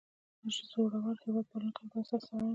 زړور، هیواد پالونکی او با احساسه سړی و.